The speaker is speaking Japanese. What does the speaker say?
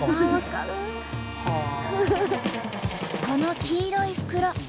この黄色い袋。